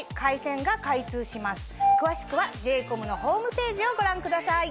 詳しくはＪ：ＣＯＭのホームページをご覧ください。